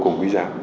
vô cùng vui giá